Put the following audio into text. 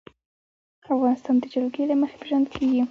افغانستان د جلګه له مخې پېژندل کېږي.